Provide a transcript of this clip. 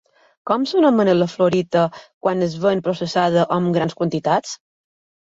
Com s'anomena la fluorita quan es ven processada o en grans quantitats?